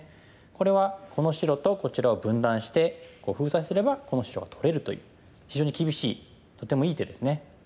これはこの白とこちらを分断して封鎖すればこの白は取れるという非常に厳しいとてもいい手ですね。